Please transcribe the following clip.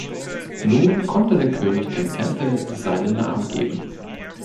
Nun konnte der König dem Tempel seinen Namen geben.